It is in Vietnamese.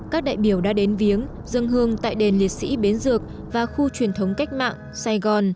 các đại biểu đã đến viếng dân hương tại đền liệt sĩ bến dược và khu truyền thống cách mạng sài gòn